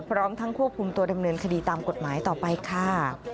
พร้อมทั้งควบคุมตัวดำเนินคดีตามกฎหมายต่อไปค่ะ